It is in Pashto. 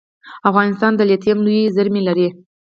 افغانستان د لیتیم لویې زیرمې لري